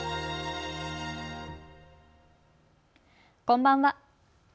こんばんは。